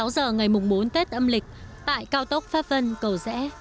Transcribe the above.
một mươi sáu giờ ngày bốn tết âm lịch tại cao tốc pháp vân cầu rẽ